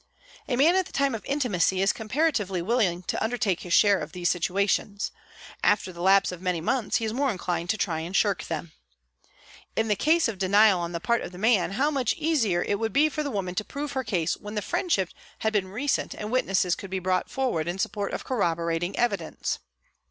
A man at the time of intimacy is comparatively willing to undertake his share of these situations ; after the lapse of many months he is more inclined to try and shirk them. In the case of denial on the part of the man, how much easier it would be for the woman to prove her case when the friendship had been recent and witnesses could be brought forward in support of corroborating evi dence.